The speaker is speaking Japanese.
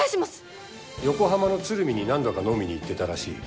横浜の鶴見に何度か飲みに行ってたらしい。